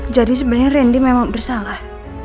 jadi sebenernya rendy memang bersalah